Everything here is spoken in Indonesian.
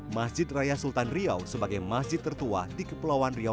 masjid raya sultan riau sebagai masjid tertua di kepulauan riau